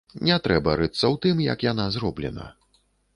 Не трэба рыцца ў тым, як яна зроблена.